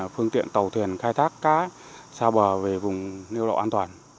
phương tiện tàu thuyền khai thác cá xa bờ về vùng neo đậu an toàn